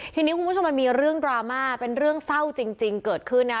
ทีนี้คุณผู้ชมมันมีเรื่องดราม่าเป็นเรื่องเศร้าจริงเกิดขึ้นนะ